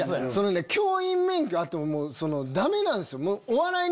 教員免許あってもダメなんすよ。